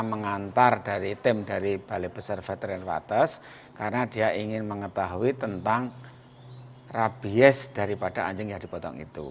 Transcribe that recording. mengantar dari tim dari balai besar veterin wates karena dia ingin mengetahui tentang rabies daripada anjing yang dipotong itu